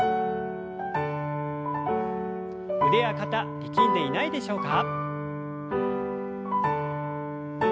腕や肩力んでいないでしょうか。